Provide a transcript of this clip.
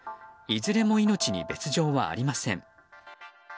いずれも命に別条はありません。